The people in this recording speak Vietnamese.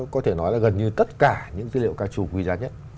có thể nói là gần như tất cả những tư liệu cao trù quý giá nhất